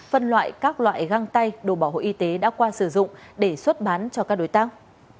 phân loại các loại găng tay đồ bảo hộ y tế đã qua sử dụng để xuất bán cho các đối tác